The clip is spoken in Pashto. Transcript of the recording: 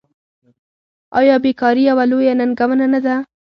آیا بیکاري یوه لویه ننګونه نه ده؟